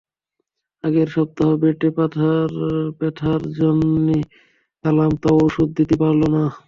আগের সপ্তাহ প্যাটে ব্যথার জন্যি আলাম, তাও ওষুধ দিতি পারল না।